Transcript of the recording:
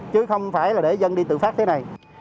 chứ không phải là để dân đi tự phát thế này